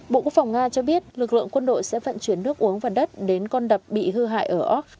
bộ quốc phòng nga cho biết lực lượng quân đội sẽ vận chuyển nước uống và đất đến con đập bị hư hại ở ok